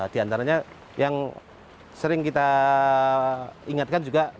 di antaranya yang sering kita ingatkan juga